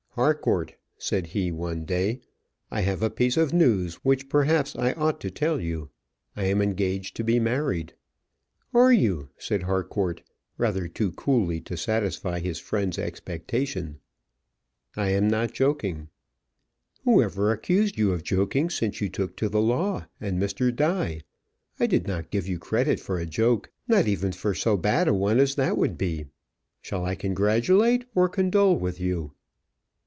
"Harcourt," said he, one day. "I have a piece of news which perhaps I ought to tell you. I am engaged to be married." "Are you?" said Harcourt, rather too coolly to satisfy his friend's expectation. "I am not joking." "Who ever accused you of joking since you took to the law and Mr. Die? I did not give you credit for a joke; not even for so bad a one as that would be. Shall I congratulate or condole with you?"